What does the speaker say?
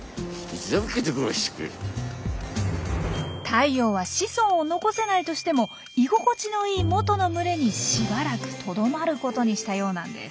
タイヨウは子孫を残せないとしても居心地のいい元の群れにしばらくとどまることにしたようなんです。